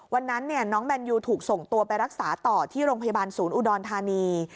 วันนั้นน้องแมนยูถูกส่งตัวไปรักษาต่อที่โรงพยาบาลศูนย์อุดรธานี